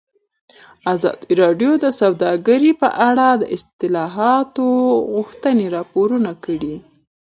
ازادي راډیو د سوداګري په اړه د اصلاحاتو غوښتنې راپور کړې.